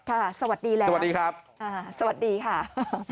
ค่ะสวัสดีแล้วสวัสดีค่ะสวัสดีครับ